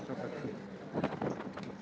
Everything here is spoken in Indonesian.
tidak ada yang sudah ada